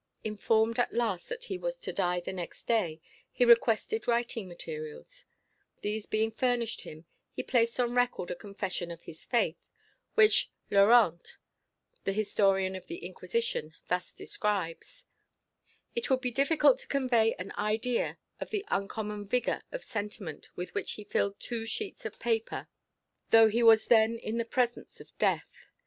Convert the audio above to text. Informed at last that he was to die the next day, he requested writing materials. These being furnished him, he placed on record a confession of his faith, which Llorente, the historian of the Inquisition, thus describes: "It would be difficult to convey an idea of the uncommon vigour of sentiment with which he filled two sheets of paper, though he was then in the presence of death.